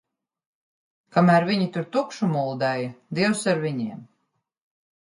Kamēr viņi tur tukšu muldēja, Dievs ar viņiem!